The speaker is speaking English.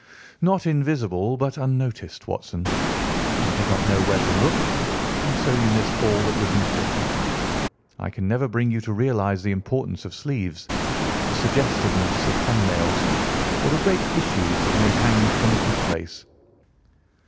"Not invisible but unnoticed, Watson. You did not know where to look, and so you missed all that was important. I can never bring you to realise the importance of sleeves, the suggestiveness of thumb nails, or the great issues that may hang from a boot lace.